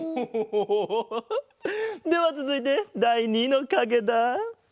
ハハハハではつづいてだい２のかげだ。